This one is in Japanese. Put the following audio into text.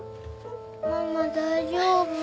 ママ大丈夫？